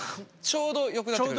ちょうどよくなって。